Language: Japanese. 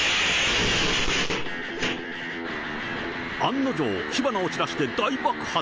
案の定、火花を散らして大爆発。